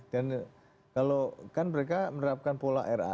dan kalau kan mereka menerapkan pola penyerangan